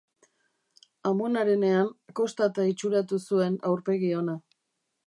Amonarenean, kostata itxuratu zuen aurpegi ona.